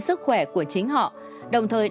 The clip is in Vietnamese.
sức khỏe của chính họ